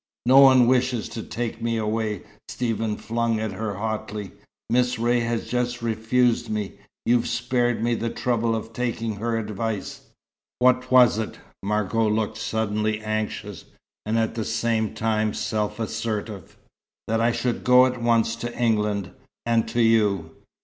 "No one wishes to take me away," Stephen flung at her hotly. "Miss Ray has just refused me. You've spared me the trouble of taking her advice " "What was it?" Margot looked suddenly anxious, and at the same time self assertive. "That I should go at once to England and to you."